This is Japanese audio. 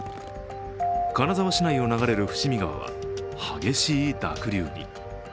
金沢市内を流れる伏見川は激しい濁流に。